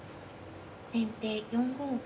先手４五銀。